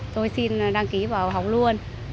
tôi xin đăng ký vào học luôn